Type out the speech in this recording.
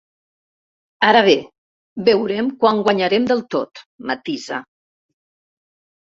Ara bé, veurem quan guanyarem del tot, matisa.